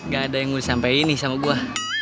gak ada yang ngurus sampe ini sama gue